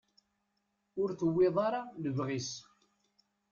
Ur tewwiḍ ara lebɣi-s.